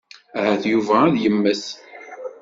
Ahat Yuba ad yemmet.